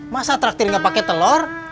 masa terakhir nggak pakai telur